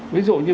ví dụ như